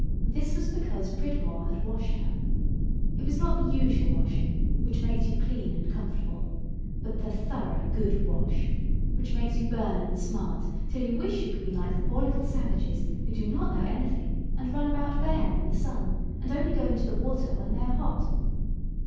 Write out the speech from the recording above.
This was because Pridmore had washed her. It was not the usual washing, which makes you clean and comfortable, but the "thorough good wash," which makes you burn and smart till you wish you could be like the poor little savages who do not know anything, and run about bare in the sun, and only go into the water when they are hot.